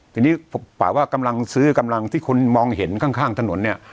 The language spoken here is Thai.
ทีนี้ป่าว่ากำลังซื้อกำลังที่คุณมองเห็นข้างถนนเนี่ย